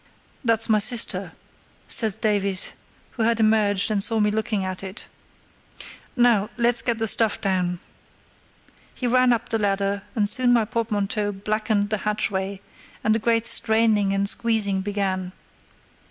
"That's my sister," said Davies, who had emerged and saw me looking at it. "Now, let's get the stuff down." He ran up the ladder, and soon my portmanteau blackened the hatchway, and a great straining and squeezing began.